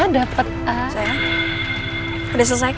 sekarang kami akan beri tanda air